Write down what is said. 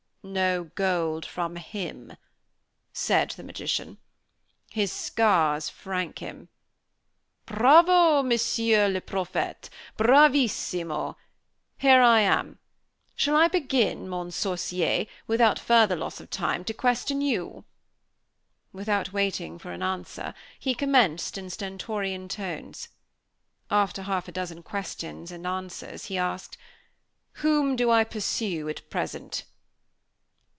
"No gold from him," said the magician. "His scars frank him." "Bravo, Monsieur le prophète! Bravissimo! Here I am. Shall I begin, mon sorcier, without further loss of time, to question you?" Without waiting for an answer, he commenced, in stentorian tones. After half a dozen questions and answers, he asked: "Whom do I pursue at present?"